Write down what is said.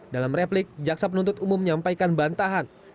dalam replik jaksa penuntut umum menyampaikan bantahan